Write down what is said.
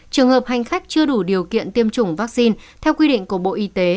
trường hợp hành khách chưa đủ điều kiện tiêm chủng vaccine theo quy định của bộ y tế